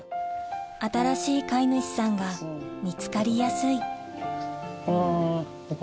新しい飼い主さんが見つかりやすいあよかったね。